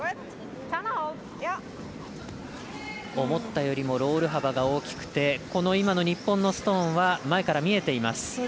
思ったよりもロール幅が大きくて今の日本のストーンは前から見えています。